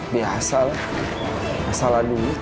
biasa lah masalah duit